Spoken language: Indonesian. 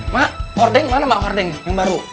mak ordeng mana mak ordeng yang baru